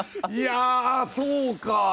いやあそうか。